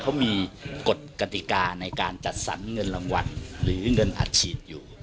เขามีกฎกติกาในการจัดสรรเงินรางวัลหรือเงินอัดฉีดอยู่